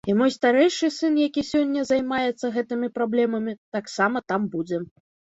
І мой старэйшы сын, які сёння займаецца гэтымі праблемамі, таксама там будзе.